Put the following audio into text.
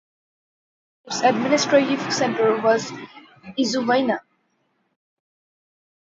Its administrative centre was Ustyuzhna.